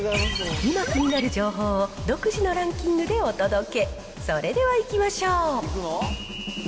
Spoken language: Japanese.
今気になる情報を独自のランキングでお届け。